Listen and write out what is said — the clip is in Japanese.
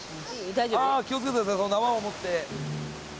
気を付けてください縄を持って。